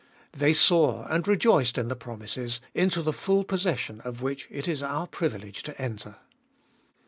They saw, and rejoiced in the promises, into the full possession of which it is our privilege to enter.